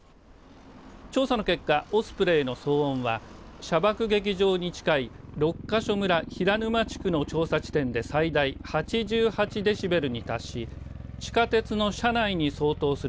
調査の結果オスプレイの騒音は射爆撃場に近い六ヶ所村平沼地区の調査地点で最大８８デシベルに達し地下鉄の車内に相当する